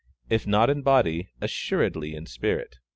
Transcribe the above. _ If not in body, assuredly in spirit.